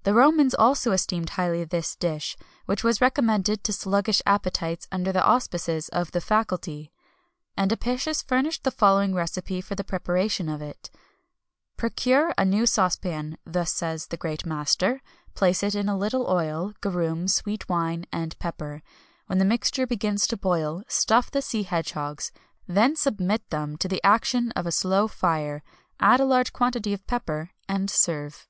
[XXI 245] The Romans also esteemed highly this dish, which was recommended to sluggish appetites under the auspices of the faculty;[XXI 246] and Apicius furnished the following recipe for the preparation of it: "Procure a new saucepan," thus says the great master, "place in it a little oil, garum, sweet wine, and pepper. When the mixture begins to boil, stuff the sea hedgehogs, then submit them to the action of a slow fire; add a large quantity of pepper, and serve."